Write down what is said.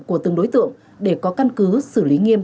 của từng đối tượng để có căn cứ xử lý nghiêm